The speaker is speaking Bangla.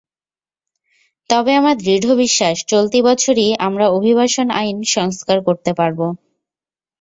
তবে আমার দৃঢ় বিশ্বাস, চলতি বছরই আমরা অভিবাসন আইন সংস্কার করতে পারব।